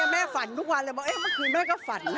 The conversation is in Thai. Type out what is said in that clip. แม่ฝันทุกวันเลยบอกเมื่อกี้แม่ก็ฝันนะ